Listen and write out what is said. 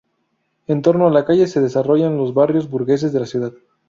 En torno a la calle se desarrollarán los barrios burgueses de la ciudad.